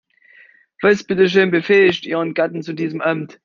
Was bitteschön befähigt ihren Gatten zu diesem Amt?